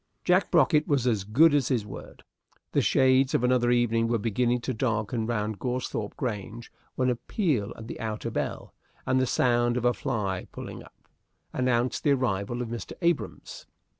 Jack Brocket was as good as his word. The shades of another evening were beginning to darken round Goresthorpe Grange, when a peal at the outer bell, and the sound of a fly pulling up, announced the arrival of Mr. Abrahams.